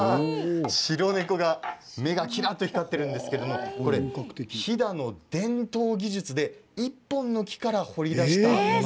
白猫が目がきらっと光っているんですけど飛弾の伝統技術で１本の木から彫り出したもの